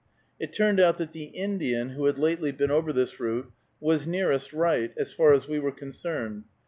It turned out that the Indian, who had lately been over this route, was nearest right, as far as we were concerned.